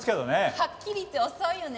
はっきり言って遅いよね。